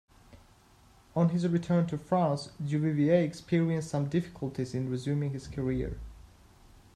On his return to France, Duvivier experienced some difficulties in resuming his career.